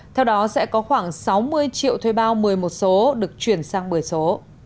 theo đó sẽ có khoảng sáu mươi triệu thuê bao một mươi một số được chuyển sang một mươi số